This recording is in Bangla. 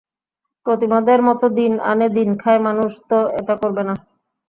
প্রতিমাদের মতো দিন আনে দিন খায় মানুষ তো এটা করবে না।